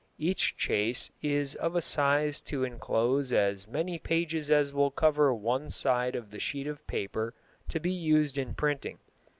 Each chase is of a size to enclose as many pages as will cover one side of the sheet of paper to be used in printing.